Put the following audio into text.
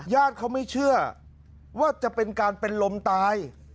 ญาติเขาไม่เชื่อว่าจะเป็นการเป็นลมตาย